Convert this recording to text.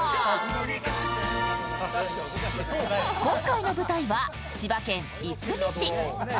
今回の舞台は千葉県いすみ市。